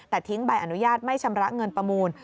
แต่ทิ้งใบอนุญาตไม่ชำระเงินประมูล